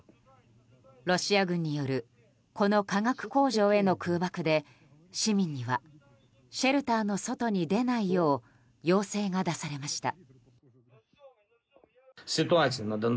ロシア軍によるこの化学工場への空爆で市民にはシェルターの外に出ないよう要請が出されました。